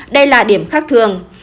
đây là điểm khác thường